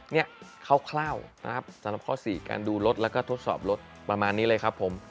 เนี่ยคร่าวนะครับสำหรับข้อ๔การดูรถแล้วก็ทดสอบรถประมาณนี้เลยครับผม